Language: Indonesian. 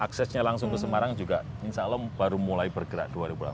aksesnya langsung ke semarang juga insya allah baru mulai bergerak dua ribu delapan belas